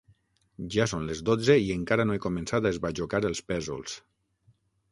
Ja són les dotze i encara no he començat a esbajocar els pèsols.